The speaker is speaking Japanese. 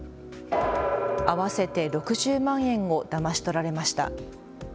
合わせて６０万円をだまし取られました。